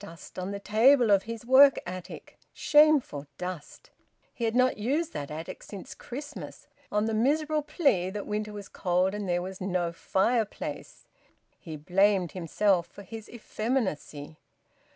Dust on the table of his work attic! Shameful dust! He had not used that attic since Christmas, on the miserable plea that winter was cold and there was no fireplace! He blamed himself for his effeminacy.